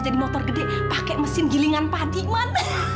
jadi motor gede pakai mesin gilingan padi man